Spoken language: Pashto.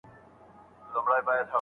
ایا لارښود د شاګرد پرمختګ څاري؟